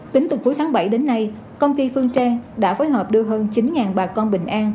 tính từ cuối tháng bảy đến nay công ty phương trang đã phối hợp đưa hơn chín bà con bình an